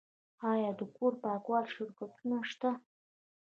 آیا د کور پاکولو شرکتونه شته؟